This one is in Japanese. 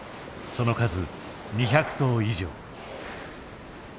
その数２００頭以上。